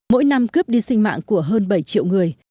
mỗi năm cướp đi sinh mạng của hơn bảy triệu người